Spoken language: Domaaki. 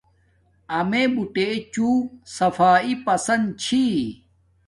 امیے بوٹے چو صافایݵ پسند چھی